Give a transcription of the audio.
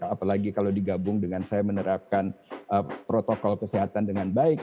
apalagi kalau digabung dengan saya menerapkan protokol kesehatan dengan baik